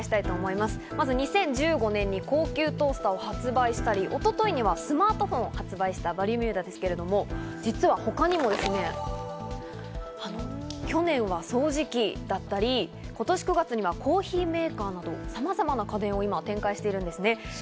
まず２０１５年に高級トースターを発売したり、一昨日にはスマートフォンを発表したバルミューダですが、実は他にも去年は掃除機だったり、今年９月にはコーヒーメーカーなどさまざまな家電を展開しているんですね。